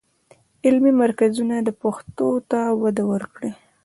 علمي مرکزونه دې پښتو ته وده ورکړي.